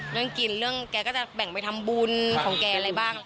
เรื่องกินเรื่องแกก็จะแบ่งไปทำบุญของแกอะไรบ้าง